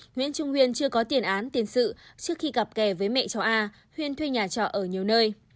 nguyễn trung huyền chưa có tiền án tiền sự trước khi gặp kẻ với mẹ chó a huyền thuê nhà chó ở nhiều nơi